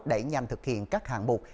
đẩy nhanh thực hiện các hạng bục